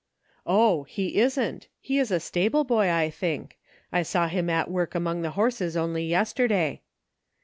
" Oh ! he isn't ; he is the stable boy, I think ; I saw him at work among the horses only yester day."